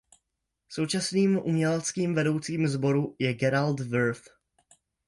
Současným uměleckým vedoucím sboru je Gerald Wirth.